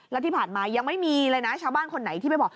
แล้วที่ผ่านมายังไม่มีเลยนะชาวบ้านคนไหนที่ไปบอก